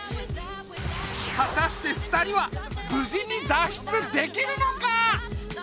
はたして二人はぶじに脱出できるのか？